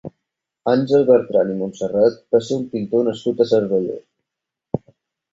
Àngel Bertran i Montserrat va ser un pintor nascut a Cervelló.